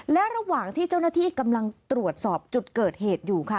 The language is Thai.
และระหว่างที่เจ้าหน้าที่กำลังตรวจสอบจุดเกิดเหตุอยู่ค่ะ